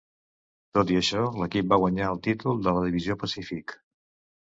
Tot i això l'equip va guanyar el títol de la Divisió Pacífic.